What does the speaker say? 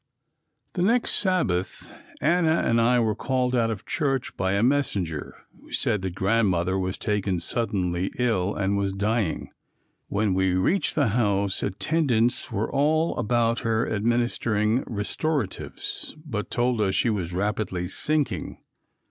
The next Sabbath, Anna and I were called out of church by a messenger, who said that Grandmother was taken suddenly ill and was dying. When we reached the house attendants were all about her administering restoratives, but told us she was rapidly sinking.